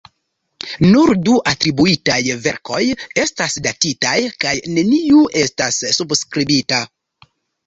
Nur du atribuitaj verkoj estas datitaj, kaj neniu estas subskribita.